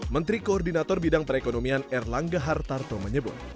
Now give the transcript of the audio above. menteri koordinator bidang perekonomian erlangga hartarto menyebut